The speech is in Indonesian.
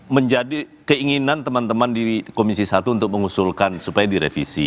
menjadi keinginan teman teman di komisi satu untuk mengusulkan supaya direvisi